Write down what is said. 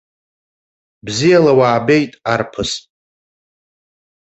Бзиала уаабеит, арԥыс!